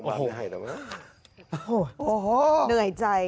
โอ้โฮเหนื่อยใจ